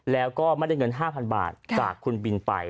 แล้วก็ไม่ได้เงิน๕๐๐๐บาทจากคุณบินไป